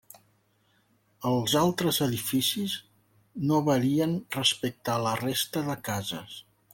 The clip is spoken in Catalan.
Els altres edificis no varien respecte a la resta de cases.